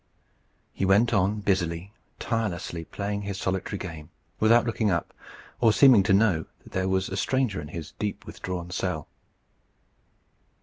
* He went on busily, tirelessly, playing his solitary game, without looking up, or seeming to know that there was a stranger in his deep withdrawn cell.